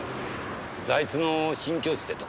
財津の新境地ってとこだ。